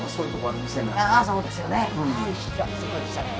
そうですよね。